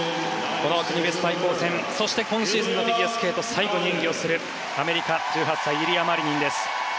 この国別対抗戦そして今シーズンのフィギュアスケート最後の演技をするアメリカ、１８歳イリア・マリニンです。